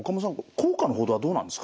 効果の程はどうなんですか？